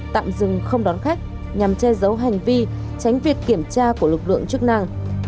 tạm dừng không đón khách nhằm che giấu hành vi tránh việc kiểm tra của lực lượng chức năng